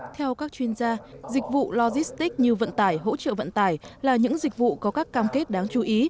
theo các chuyên gia dịch vụ logistics như vận tải hỗ trợ vận tải là những dịch vụ có các cam kết đáng chú ý